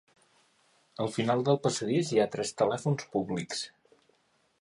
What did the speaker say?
Al final del passadís hi ha tres telèfons públics.